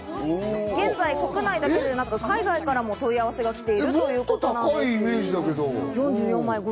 現在、国内だけでなく、海外からも問い合わせがきているというこもっと高いイメージだけど。